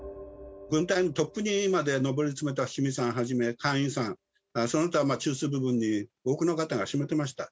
軍隊のトップにまで上り詰めた伏見さんはじめ、閑院さん、その他中枢部分に多くの方が占めてました。